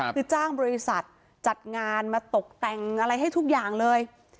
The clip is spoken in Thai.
คือจ้างบริษัทจัดงานมาตกแต่งอะไรให้ทุกอย่างเลย